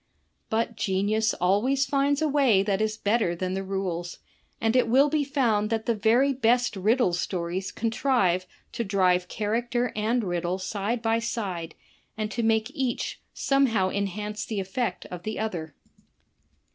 But genius always finds a way that is better than the rules, and it wUl be found that the very best riddle stories contrive to drive character and riddle side by side, and to make each somehow enhance the effect of the other.